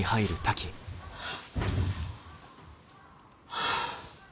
はあ。